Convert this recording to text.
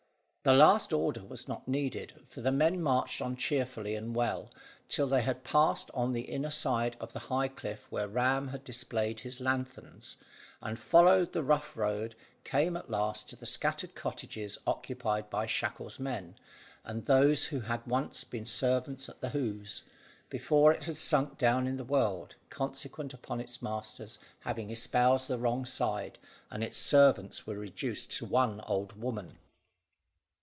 The last order was not needed, for the men marched on cheerfully and well, till they had passed on the inner side of the high cliff where Ram had displayed his lanthorns, and following the rough road, came at last to the scattered cottages occupied by Shackle's men, and those who had once been servants at the Hoze, before it had sunk down in the world, consequent upon its master's having espoused the wrong side, and its servants were reduced to one old woman.